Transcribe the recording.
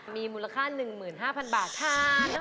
มีมูลค่า๑๕๐๐๐บาทค่ะ